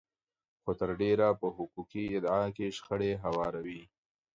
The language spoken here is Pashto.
خو تر ډېره په حقوقي ادعا کې شخړې هواروي.